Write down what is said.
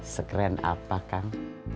sekeren apa kang